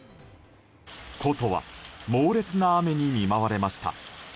古都は猛烈な雨に見舞われました。